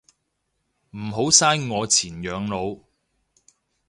唔好嘥我錢養老